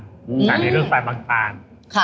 สถานีรถไฟบางทาง